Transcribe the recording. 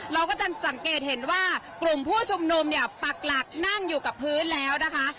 เราก็จะสังเกตเห็นว่ากลุ่มผู้ชุมนุมเนี่ยปักหลักนั่งอยู่กับพื้นแล้วนะคะ